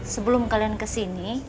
sebelum kalian kesini